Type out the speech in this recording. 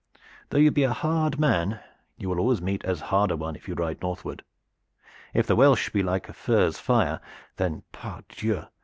Though you be a hard man, you will always meet as hard a one if you ride northward. If the Welsh be like the furze fire, then, pardieu!